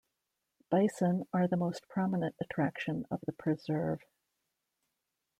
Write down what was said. Bison are the most prominent attraction of the preserve.